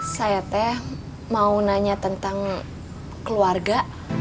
saya teh mau nanya tentang keluarga